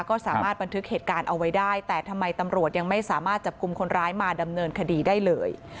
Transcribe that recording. ก็สามารถบันทึกเหตุการณ์เอาไว้ได้แต่ทำไมตำรวจยังไม่สามารถจับกลุ่มคนร้ายมาดำเนินคดีได้เลย